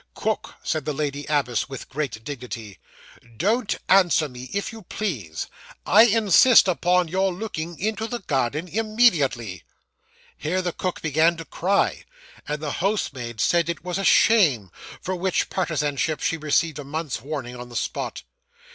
'Cook,' said the lady abbess, with great dignity; 'don't answer me, if you please. I insist upon your looking into the garden immediately.' Here the cook began to cry, and the housemaid said it was 'a shame!' for which partisanship she received a month's warning on the spot.